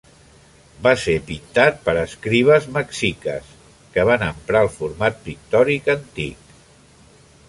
Va ser pintat per escribes mexiques, que van emprar el format pictòric antic.